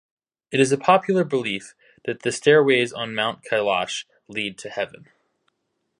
It is a popular belief that the stairways on Mount Kailash lead to heaven.